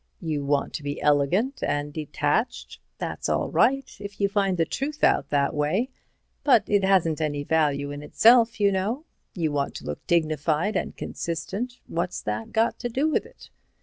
You want to be elegant and detached? That's all right, if you find the truth out that way, but it hasn't any value in itself, you know. You want to look dignified and consistent—what's that got to do with it?